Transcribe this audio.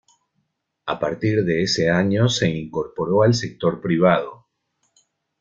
A partir de ese año se incorporó al sector privado.